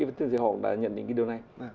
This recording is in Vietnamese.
và tức là họ đã nhận định cái điều này